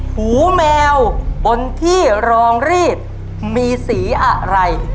หูแมวบนที่รองรีดมีสีอะไร